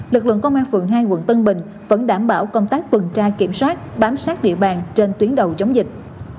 lực lượng công an phường hai quận tân bình vẫn đảm bảo công tác tuần tra kiểm soát bám sát địa bàn trên tuyến đầu chống dịch